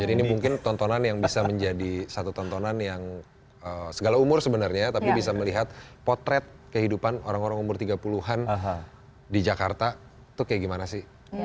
jadi ini mungkin tontonan yang bisa menjadi satu tontonan yang segala umur sebenarnya tapi bisa melihat potret kehidupan orang orang umur tiga puluh an di jakarta itu kayak gimana sih